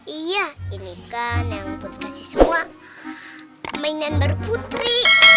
iya ini kan yang putri semua mainan baru putri